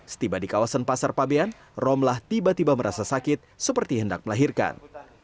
setiba di kawasan pasar pabean romlah tiba tiba merasa sakit seperti hendak melahirkan